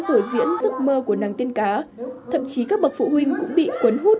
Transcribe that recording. tuổi diễn giấc mơ của nàng tiên cá thậm chí các bậc phụ huynh cũng bị quấn hút